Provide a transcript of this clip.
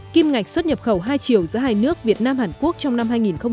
kim ngạch xuất nhập khẩu hai triệu giữa hai nước việt nam hàn quốc trong năm hai nghìn hai mươi